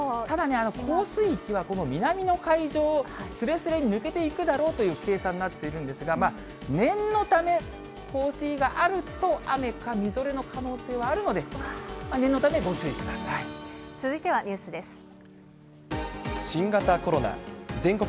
ただ降水域はこの南の海上をすれすれに抜けていくだろうという計算になっているんですが、念のため降水があると、雨かみぞれの可能性はあるので、念のため続いてはニュースです。